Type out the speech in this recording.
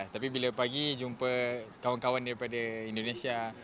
tapi bila pagi jumpa kawan kawan dpd indonesia